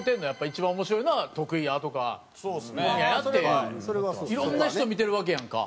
一番面白いのは「徳井や」とか「小宮や」って。いろんな人見てるわけやんか。